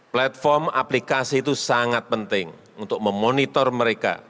platform aplikasi itu sangat penting untuk memonitor mereka